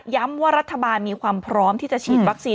ว่ารัฐบาลมีความพร้อมที่จะฉีดวัคซีน